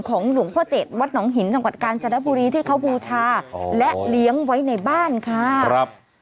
หลวงพ่อเจ็ดวัดหนองหินจังหวัดกาญจนบุรีที่เขาบูชาและเลี้ยงไว้ในบ้านค่ะครับ